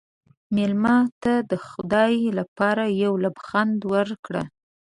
مېلمه ته د خدای لپاره یو لبخند ورکړه.